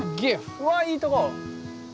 うわいいとこ。